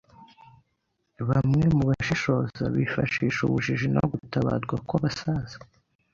Bamwe mubashishoza bifashisha ubujiji no gutabarwa kwabasaza.